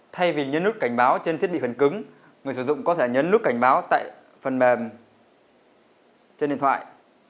thay vì nhấn nút cảnh báo trên thiết bị phần cứng người sử dụng có thể nhấn nút cảnh báo tại phần mềm trên điện thoại